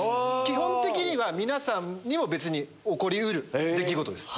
基本的には皆さんにも起こり得る出来事です。